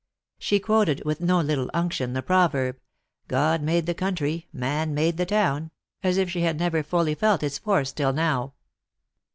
She quoted, with no little unction, the proverb :" God made the country, man made the town," as if she had never fully felt its force till now.